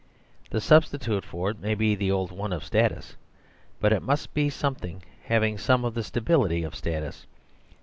The substitute for it may be the old one of status ; but it must be some thing having some of the stability of status.